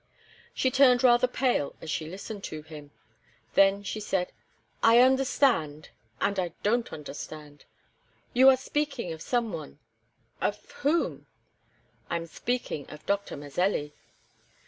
She turned rather pale as she listened to him. Then she said: "I understand and I don't understand. You are speaking of some one of whom?" "I am speaking of Doctor Mazelli."